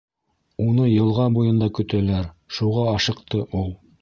— Уны йылға буйында көтәләр, шуға ашыҡты ул...